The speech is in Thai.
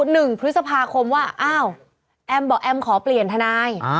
หนึ่งพฤษภาคมว่าอ้าวแอมบอกแอมขอเปลี่ยนทนาย